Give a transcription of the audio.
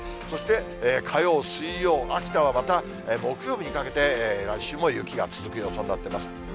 そして火曜、水曜、秋田はまた、木曜日にかけて来週も雪が続く予想になってます。